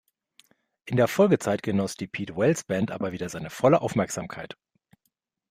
In der Folgezeit genoss die Pete Wells Band aber wieder seine volle Aufmerksamkeit.